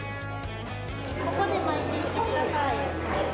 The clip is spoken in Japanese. ここに巻いていってください。